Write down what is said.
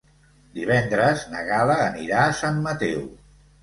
Divendres na Gal·la anirà a Sant Mateu.